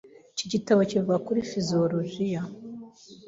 Iki gitabo kivuga kuri psychologiya .